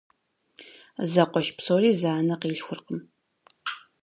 Зэкъуэш псори зы анэ къилъхуркъым.